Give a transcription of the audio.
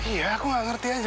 iya aku nggak ngerti aja